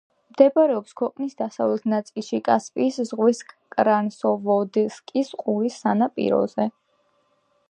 მდებარეობს ქვეყნის დასავლეთ ნაწილში, კასპიის ზღვის კრასნოვოდსკის ყურის სანაპიროზე.